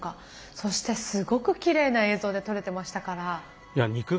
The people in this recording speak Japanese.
そしてすごくきれいな映像で撮れてましたから。